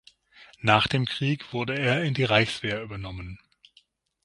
Nach dem Krieg wurde er in die Reichswehr übernommen.